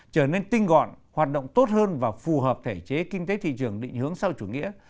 trở nên tinh gọn hoạt động tốt hơn và phù hợp thể chế kinh tế thị trường định hướng sau chủ nghĩa